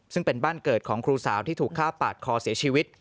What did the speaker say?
ซึ่งเป็นบ้านเกิดของครูสาวที่ถูกฆ่าปาดคอเสียชีวิต